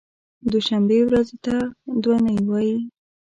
دوشنبې ورځې ته دو نۍ وایی